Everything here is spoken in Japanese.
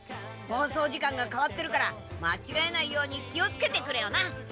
放送時間がかわってるからまちがえないように気をつけてくれよな！